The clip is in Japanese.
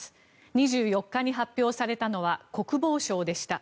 ２４日に発表されたのは国防相でした。